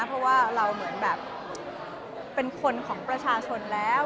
เพราะว่าเราเหมือนแบบเป็นคนของประชาชนแล้ว